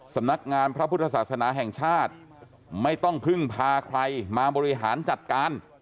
สำนักงานพระพุทธศาสนาแห่งชาติไม่ต้องพึ่งพาใครมาบริหารจัดการ